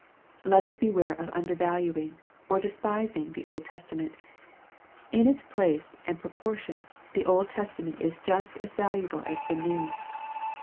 Let us beware of undervaluing, or despising the Old Testament. In its place and proportion, the Old Testa ment is just as valuable as the New.